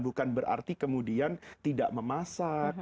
bukan berarti kemudian tidak memasak